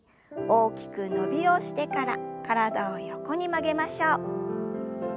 大きく伸びをしてから体を横に曲げましょう。